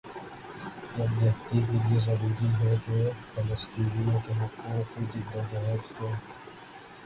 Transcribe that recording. یکجہتی کےلئے ضروری ہے کہ فلسطینیوں کے حقوق کی جدوجہد کو